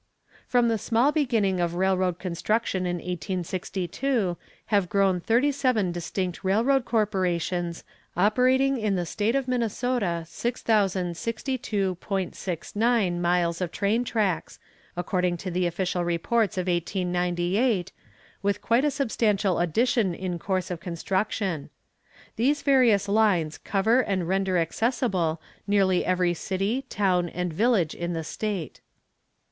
From the small beginning of railroad construction in 1862 have grown thirty seven distinct railroad corporations, operating in the state of Minnesota 6,062.69 miles of main tracks, according to the official reports of 1898, with quite a substantial addition in course of construction. These various lines cover and render accessible nearly every city, town and village in the state.